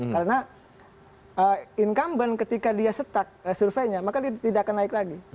karena incumbent ketika dia setak surveinya maka dia tidak akan naik lagi